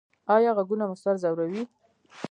ایا غږونه مو سر ځوروي؟